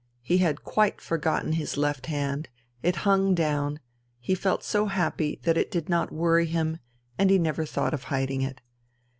He had quite forgotten his left hand, it hung down, he felt so happy that it did not worry him and he never thought of hiding it.